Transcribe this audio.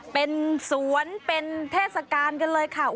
เป็นสวนเป็นเทศกาลกันเลยค่ะ